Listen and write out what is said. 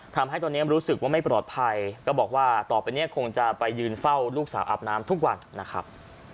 ทำให้ตอนนี้รู้สึกว่าไม่ปลอดภัยก็บอกว่าต่อไปเนี่ยคงจะไปยืนเฝ้าลูกสาวอาบน้ำทุกวันนะครับ